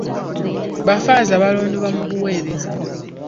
Baffaaza balondebwa mu buweereza.